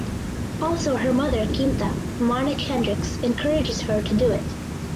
Also her mother Quinta (Monic Hendrickx) encourages her to do it.